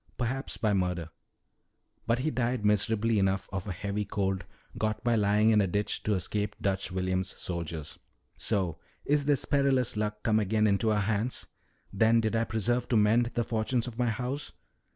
Perhaps by murder. But he died miserably enough of a heavy cold got by lying in a ditch to escape Dutch William's soldiers." "'So is this perilous Luck come again into our hands. Then did I persevere to mend the fortunes of my house.'